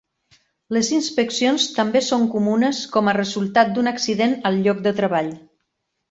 Les inspeccions també són comunes com a resultat d'un accident al lloc de treball.